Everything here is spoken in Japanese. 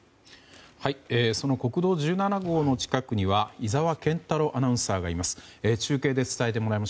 その国道１７号の近くには井澤健太郎アナウンサーがいます。